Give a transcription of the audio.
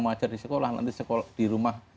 mau ajar di sekolah nanti di rumah